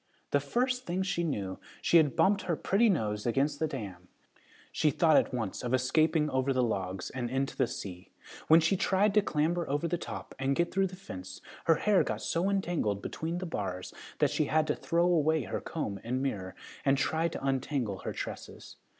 The first thing she knew she had bumped her pretty nose against the dam. She thought at once of escaping over the logs and into the sea. When she tried to clamber over the top and get through the fence, her hair got so entangled between the bars that she had to throw away her comb and mirror and try to untangle her tresses.